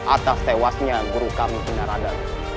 atas tewasnya guru kami narada